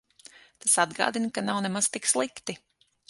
Tas atgādina, ka nav nemaz tik slikti.